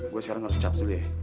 gue sekarang harus cap dulu ya